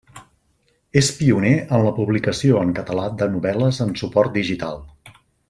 És pioner en la publicació en català de novel·les en suport digital.